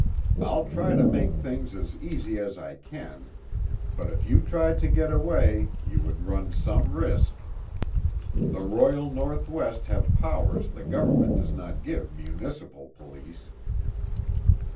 I'll try to make things as easy as I can, but if you tried to get away, you would run some risk. The Royal North West have powers the Government does not give municipal police."